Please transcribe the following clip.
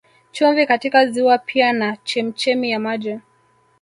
Chumvi katika ziwa pia na chemchemi ya maji